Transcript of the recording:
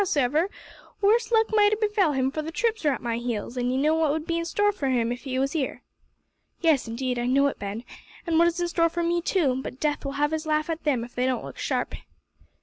Hows'ever, worse luck might have befel him, for the troops are at my heels, an' ye know what would be in store for him if he was here." "Yes, indeed, I know it, Ben, and what is in store for me too; but Death will have his laugh at them if they don't look sharp."